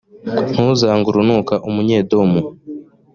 ntuzange urunuka umunyedomu,